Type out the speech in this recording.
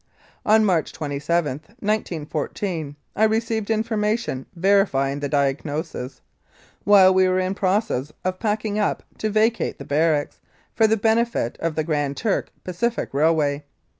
On March 27, 1914, I received information verifying the diagnosis, while we were in process of packing up to vacate the barracks, for the benefit of the Grand Trunk Pacific Railway.